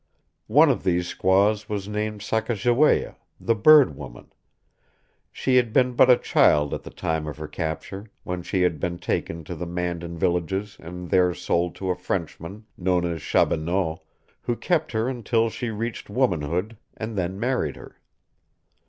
One of these squaws was named Sacajawea, the "Bird Woman"; she had been but a child at the time of her capture, when she had been taken to the Mandan villages and there sold to a Frenchman, known as Chaboneau, who kept her until she reached womanhood and then married her.